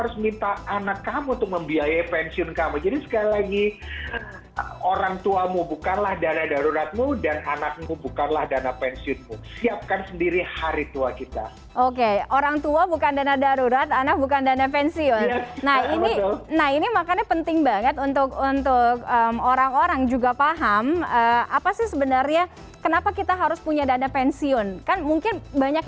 sebetulnya bukanlah hal yang sifatnya keuangan